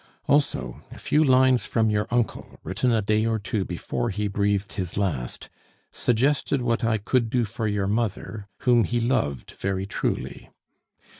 "Also, a few lines from your uncle, written a day or two before he breathed his last, suggested what I could do for your mother, whom he loved very truly.